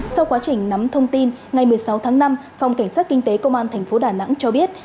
sau quá trình nắm thông tin ngày một mươi sáu tháng năm phòng cảnh sát kinh tế công an tp đà nẵng cho biết